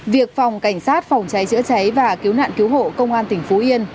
việc phòng cảnh sát phòng cháy chữa cháy và cứu nạn cứu hộ công an tỉnh phú yên